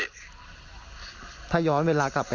ผมก็ไม่อยากจะไปล่ะครับพี่